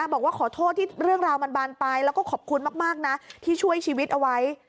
บอกว่าขอโทษที่เรื่องราวมันบานไปแล้วก็ขอบคุณมากนะที่ช่วยชีวิตเอาไว้